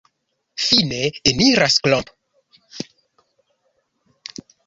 Fine eniras Klomp.